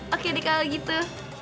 oke dikalau gitu